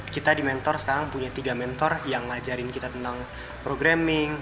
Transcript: kita di mentor sekarang punya tiga mentor yang ngajarin kita tentang programming